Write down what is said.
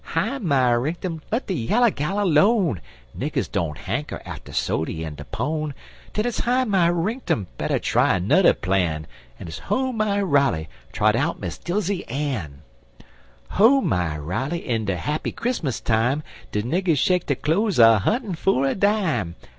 Hi my rinktum! let de yaller gal lone; Niggers don't hanker arter sody in de pone. Den it's hi my rinktum! Better try anudder plan; An' it's ho my Riley! Trot out Miss Dilsey Ann! Ho my Riley! In de happy Chris'mus time De niggers shake der cloze a huntin' for a dime.